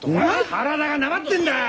体がなまってんだよ！